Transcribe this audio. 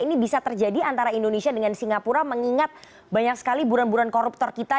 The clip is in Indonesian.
ini bisa terjadi antara indonesia dengan singapura mengingat banyak sekali buruan buruan koruptor kita